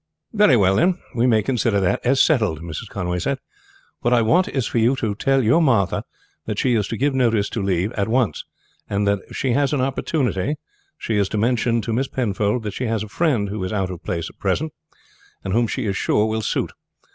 "Very well, then. We may consider that as settled," Mrs. Conway said. "What I want is for you to tell your Martha that she is to give notice to leave at once, and that if she has an opportunity she is to mention to Miss Penfold that she has a friend who is out of place at present, and whom she is sure will suit.